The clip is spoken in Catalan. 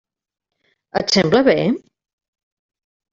Et sembla bé?